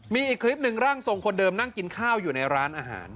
มีอีกคลิปหนึ่งร่างทรงคนเดิมนั่งกินข้าวอยู่ในร้านอาหาร